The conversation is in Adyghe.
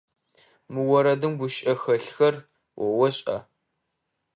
Мы орэдым гущыӏэу хэлъхэр о ошӏа?